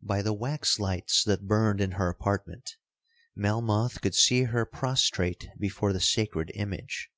'By the wax lights that burned in her apartment, Melmoth could see her prostrate before the sacred image.